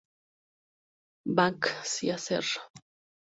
Banksia ser.